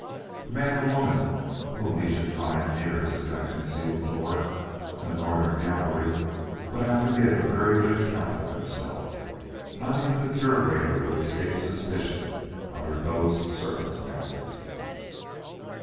The man or woman whom he should find nearest to that concealed door in the northern gallery would have to give a very good account of himself. Not even the Curator would escape suspicion under those circumstances.